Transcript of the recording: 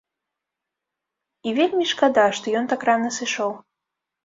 І вельмі шкада, што ён так рана сышоў.